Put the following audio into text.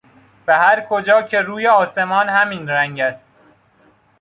به هر کجا که روی آسمان همین رنگ است.